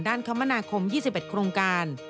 ด้านคมฯยีสิบเอ็ดโครงการ